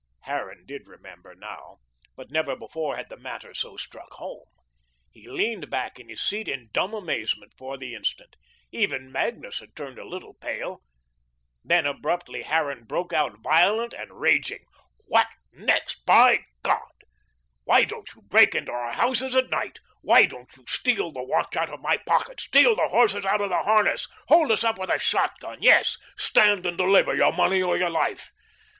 Harran did remember now, but never before had the matter so struck home. He leaned back in his seat in dumb amazement for the instant. Even Magnus had turned a little pale. Then, abruptly, Harran broke out violent and raging. "What next? My God, why don't you break into our houses at night? Why don't you steal the watch out of my pocket, steal the horses out of the harness, hold us up with a shot gun; yes, 'stand and deliver; your money or your life.'